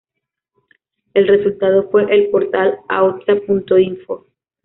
El resultado fue el portal Ahotsa.info.